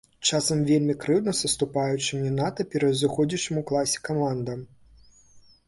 Часам вельмі крыўдна саступаючы не надта пераўзыходзячым у класе камандам.